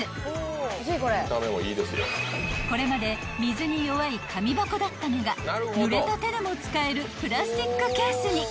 ［これまで水に弱い紙箱だったのがぬれた手でも使えるプラスチックケースに］